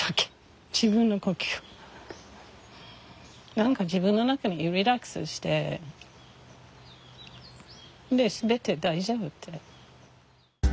何か自分の中にリラックスしてで全て大丈夫って。